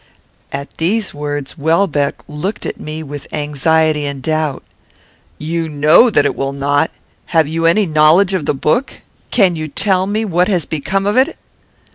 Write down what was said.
At these words, Welbeck looked at me with anxiety and doubt: "You know that it will not! Have you any knowledge of the book? Can you tell me what has become of it?"